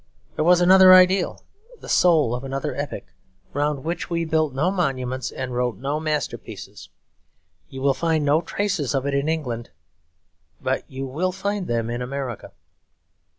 There was another ideal, the soul of another epoch, round which we built no monuments and wrote no masterpieces. You will find no traces of it in England; but you will find them in America.